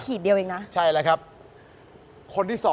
ก็น่ารักดี